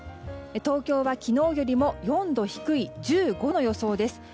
東京は昨日よりも４度低い１５度の予想です。